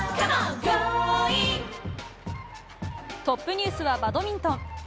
トップニュースはバドミントン。